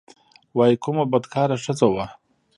وايي کومه بدکاره ښځه وه.